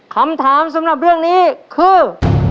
คำถามสำหรับเรื่องนี้คือ